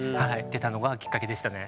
出たのがきっかけでしたね。